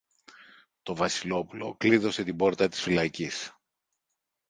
Το Βασιλόπουλο κλείδωσε την πόρτα της φυλακής